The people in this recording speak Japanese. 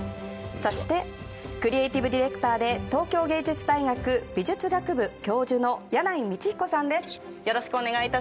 そしてクリエイティブディレクターで東京藝術大学美術学部教授の箭内道彦さんです。